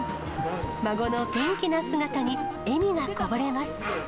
孫の元気な姿に、笑みがこぼれます。